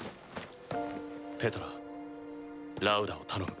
ペトララウダを頼む。